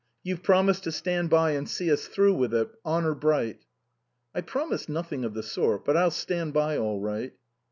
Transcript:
You've promised to stand by and see us through with it, honour bright." " I promised nothing of the sort, but I'll stand by all right."